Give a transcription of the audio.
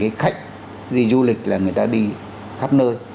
cái khách đi du lịch là người ta đi khắp nơi